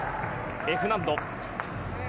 Ｆ難度。